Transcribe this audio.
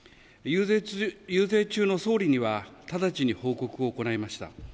遊説中の総理には直ちに報告を行いました。